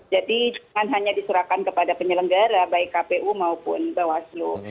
jadi jangan hanya disuarakan kepada penyelenggara baik kpu maupun bawaslu